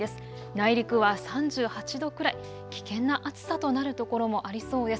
内陸は３８度くらい、危険な暑さとなる所もありそうです。